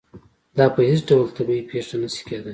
دا په هېڅ ډول طبیعي پېښه نه شي کېدای.